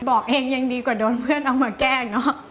บอกเองยังดีกว่าโดนเพื่อนเอามาแก้เนอะ